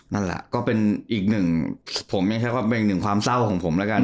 นั่นแหละก็เป็นอีกหนึ่งผมยังใช้ความเป็นอีกหนึ่งความเศร้าของผมแล้วกัน